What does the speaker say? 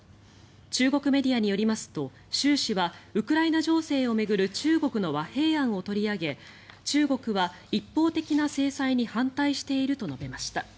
中国メディアによりますと習氏はウクライナ情勢を巡る中国の和平案を取り上げ中国は一方的な制裁に反対していると述べました。